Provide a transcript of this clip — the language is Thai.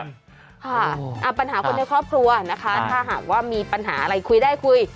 ค่ะปัญหาคนในครอบครัวนะคะถ้าหากว่ามีปัญหาอะไรคุยได้คุย